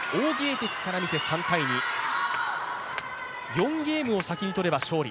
４ゲームを先に取れば勝利。